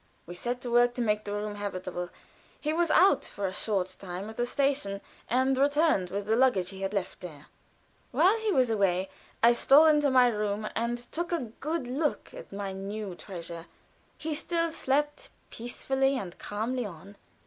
We set to work to make the room habitable. He was out for a short time at the station and returned with the luggage which he had left there. While he was away I stole into my room and took a good look at my new treasure; he still slept peacefully and calmly on.